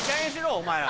お前ら。